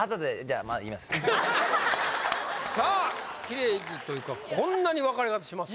さあキレイにというかこんなに分かれ方します？